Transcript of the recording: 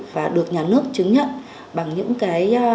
và được nhà nước chứng nhận bằng những cái